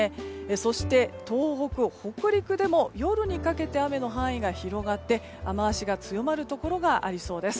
そして東北、北陸でも夜にかけて雨の範囲が広がって雨脚が強まるところがありそうです。